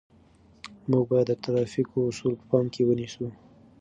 موږ باید د ترافیکو اصول په پام کې ونیسو.